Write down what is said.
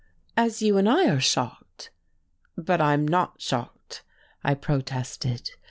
"As you and I are shocked." "But I'm not shocked," I protested.